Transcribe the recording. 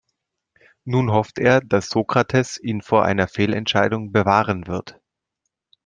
Nun hofft er, dass Sokrates ihn vor einer Fehlentscheidung bewahren wird.